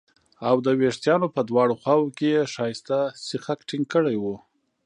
او د وېښتانو په دواړو خواوو کې یې ښایسته سیخک ټینګ کړي وو